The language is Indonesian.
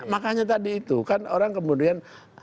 makanya tadi itu kan orang kemudian